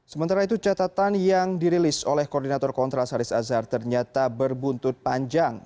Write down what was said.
sementara itu catatan yang dirilis oleh koordinator kontras haris azhar ternyata berbuntut panjang